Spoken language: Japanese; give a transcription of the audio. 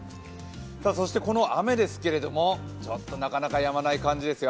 そして、雨ですけどもなかなかやまない感じですよ。